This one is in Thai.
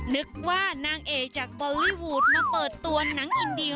นึกว่านางเอกจากบอลลี่วูดมาเปิดตัวหนังอินดีล